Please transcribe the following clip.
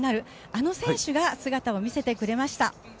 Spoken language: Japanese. あの選手が姿を見せてくれました。